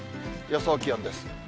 予想気温です。